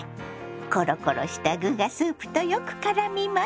コロコロした具がスープとよくからみます。